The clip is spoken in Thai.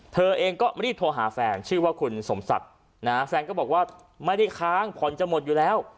เธอเองก็รีบโทรหาแฟนชื่อว่าคุณสมศักดิ์นะฮะแฟนก็บอกว่าไม่ได้ค้างผ่อนจะหมดอยู่แล้ว